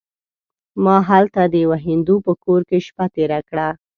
ما هلته د یوه هندو په کور کې شپه تېره کړه.